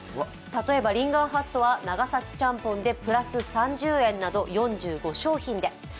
例えばリンガーハットは長崎ちゃんぽん３０円など４５商品で。